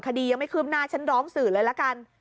คดียังไม่คืบหน้าฉันร้องสื่อเลยละกัน